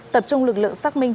tập trung lực lượng xác minh